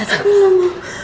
aku gak mau